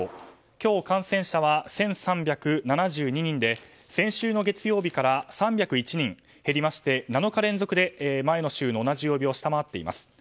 今日、感染者は１３７２人で先週の月曜日から３０１人減りまして７日連続で前の週の同じ曜日を下回っています。